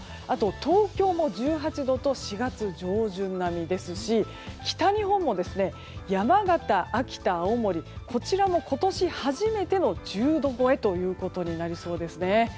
あとは東京も１８度と４月上旬並みですし北日本も山形、秋田、青森こちらも今年初めての１０度超えということになりそうですね。